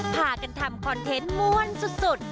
พากันทำคอนเทนต์ม่วนสุด